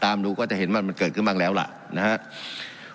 หลายอย่างทั้งติดตามนายทราบรู้ก็เห็นขึ้นมันบ้างแล้วนะครับ